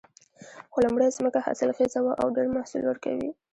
خو لومړۍ ځمکه حاصلخیزه وه او ډېر محصول ورکوي